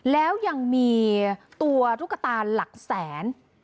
แล้วยังมีตัวตุ๊กตาหลักแสน